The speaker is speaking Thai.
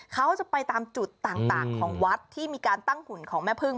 เขาจะไปตามจุดต่างของวัดที่มีการตั้งหุ่นของแม่พึ่ง